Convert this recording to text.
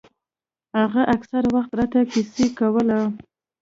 هغه اکثره وخت راته کيسې کولې.